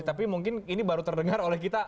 tapi mungkin ini baru terdengar oleh kita